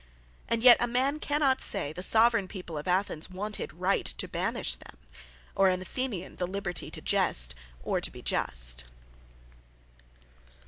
And yet a man cannot say, the Soveraign People of Athens wanted right to banish them; or an Athenian the Libertie to Jest, or to be Just.